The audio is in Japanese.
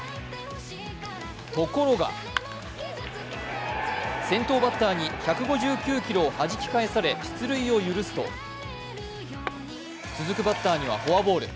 ところが、先頭バッターに１５９キロをはじき返され出塁を許すと、続くバッターにはフォアボール。